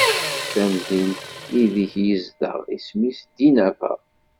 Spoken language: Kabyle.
Tamdint ideg izdeɣ isem-is Dinaba.